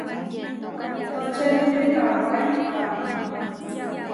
Itočerune kawái waní.